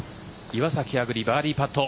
岩崎亜久竜、バーディーパット。